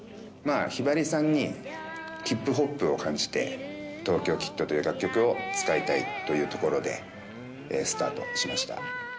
ひばりさんに、ヒップホップを感じて、東京キッドという楽曲を使いたいというところで、スタートしまし